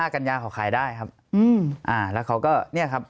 กัญญาเขาขายได้ครับแล้วเขาก็เนี่ยครับ